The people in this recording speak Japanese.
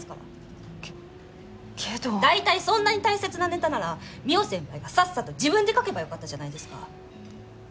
大体そんなに大切なネタなら望緒先輩がさっさと自分で描けばよかったじゃないですか！